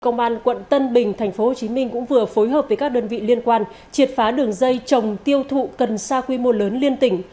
công an quận tân bình tp hcm cũng vừa phối hợp với các đơn vị liên quan triệt phá đường dây trồng tiêu thụ cần sa quy mô lớn liên tỉnh